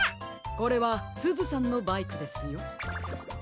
これはすずさんのバイクですよ。